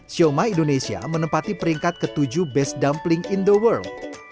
sioma indonesia menempati peringkat ke tujuh best dumpling in the world